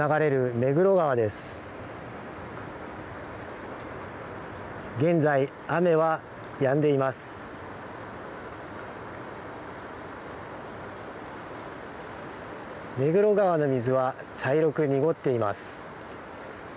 目黒川の水は茶色く濁っています。